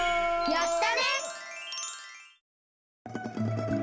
やったね！